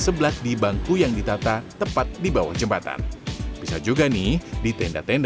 suasanya emang enak deden